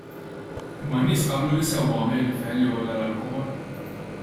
Imma n-nies qalu li sewwa għamel il-Gvern li għolla l-alkoħol!